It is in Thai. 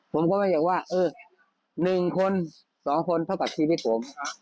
ผมก็ไม่อยากว่าเออ๑คน๒คนเท่ากับชีวิตผม